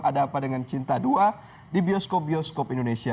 ada apa dengan cinta dua di bioskop bioskop indonesia